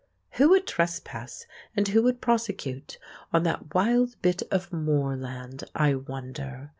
Who would trespass, and who would prosecute, on that wild bit of moorland, I wonder?